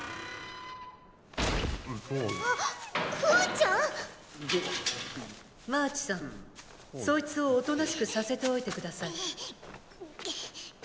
ちゃん⁉マーチさんそいつを大人しくさせておいて下さい。